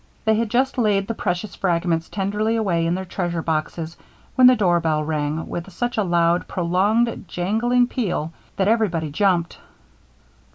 They had just laid the precious fragments tenderly away in their treasure boxes when the doorbell rang with such a loud, prolonged, jangling peal that everybody jumped.